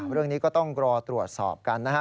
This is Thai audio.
เรื่องนี้ก็ต้องรอตรวจสอบกันนะฮะ